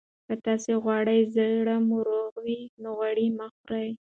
که تاسي غواړئ زړه مو روغ وي، نو غوړ مه خورئ.